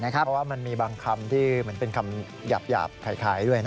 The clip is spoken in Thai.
เพราะมันมีบางคำเป็นคำหยาบไหว